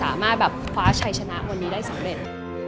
แต่ทุกคนจะดูสิมุข์